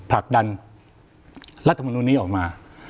ผลักดันรัฐมนุนนี้ออกมา